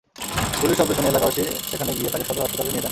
গুলির শব্দ শুনে এলাকাবাসী সেখানে গিয়ে তাকে সদর হাসপাতালে নিয়ে যান।